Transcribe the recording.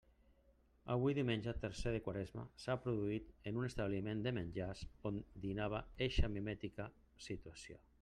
Hui, diumenge tercer de Quaresma, s'ha produït en un establiment de menjars on dinava eixa mimètica situació.